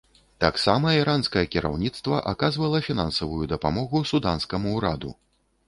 Таксама іранскае кіраўніцтва аказвала фінансавую дапамогу суданскаму ўраду.